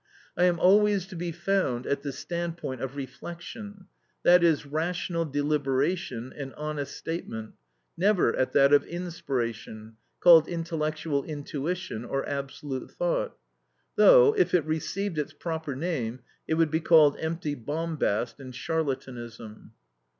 I am always to be found at the standpoint of reflection, i.e., rational deliberation and honest statement, never at that of inspiration, called intellectual intuition, or absolute thought; though, if it received its proper name, it would be called empty bombast and charlatanism.